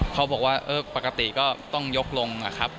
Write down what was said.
เขาบอกว่าปกติก็ต้องยกลงนะครับ